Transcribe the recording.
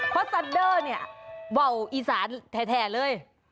เพราะซันเดอร์เนี่ยเบาอีสานแท้เลย